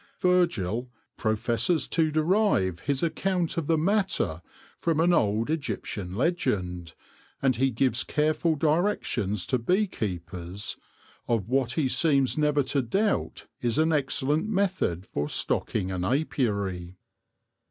Virgil professes to derive his account of the matter from an old Egyptian legend, and he gives careful directions to bee keepers of what he seems never to doubt is an excellent method for stocking an apiary.